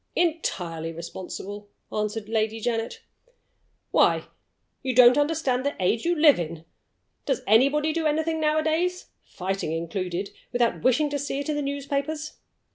"Entirely responsible," answered Lady Janet. "Why, you don't understand the age you live in! Does anybody do anything nowadays (fighting included) without wishing to see it in the newspapers?